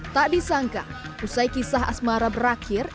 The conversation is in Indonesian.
tak disangka usai kisah asmara berakhir